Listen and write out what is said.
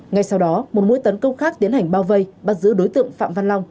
ngay sau đó một mũi tấn công khác tiến hành bao vây bắt giữ đối tượng phạm văn long